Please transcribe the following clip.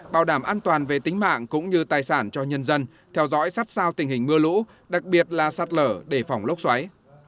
bảo đảm an toàn về tính mạng cũng như tài sản cho nhân dân theo dõi sát sao tình hình mưa lũ đặc biệt là sạt lở để phòng lốc xoáy